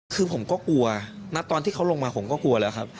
คือผมก็กลัวนะตอนที่เขาลงมาผมก็กลัวแล้วครับ